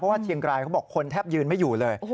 เชียงรายเขาบอกคนแทบยืนไม่อยู่เลย